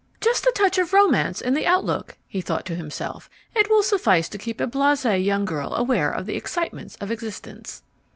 "Just a touch of romance in the outlook," he thought to himself. "It will suffice to keep a blasee young girl aware of the excitements of existence."